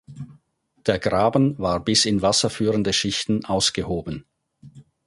Der Graben war bis in wasserführende Schichten ausgehoben.